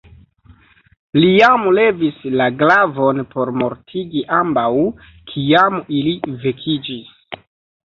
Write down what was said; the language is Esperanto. Li jam levis la glavon por mortigi ambaŭ, kiam ili vekiĝis.